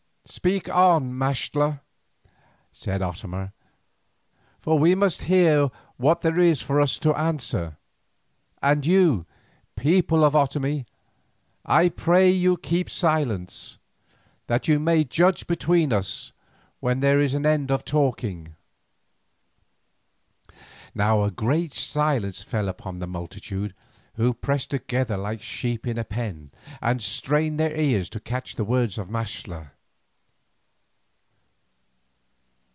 "Speak on, Maxtla," said Otomie, "for we must hear what there is for us to answer, and you, people of the Otomie, I pray you keep silence, that you may judge between us when there is an end of talking." Now a great silence fell upon the multitude, who pressed together like sheep in a pen, and strained their ears to catch the words of Maxtla.